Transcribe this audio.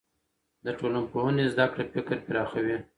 د ټولنپوهنې زده کړه فکر پراخوي.